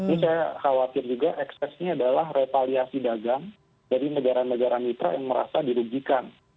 ini saya khawatir juga eksesnya adalah retaliasi dagang dari negara negara mitra yang merasa dirugikan